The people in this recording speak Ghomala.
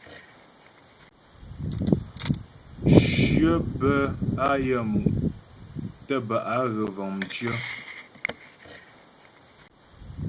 Shyə bɛ́ á yaə́mu' tə́ bə́ á ghə vəŋ mcyə̀.